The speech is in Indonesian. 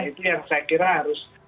itu yang saya kira harus